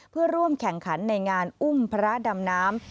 เพื่อร่วมแข่งขันในงานอุ้มพระดำน้ำ